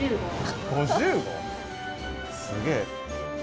すげえ。